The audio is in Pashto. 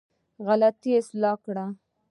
غلطي اصلاح کړې.